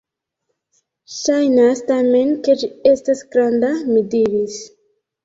Ŝajnas tamen, ke ĝi estas granda, mi diris.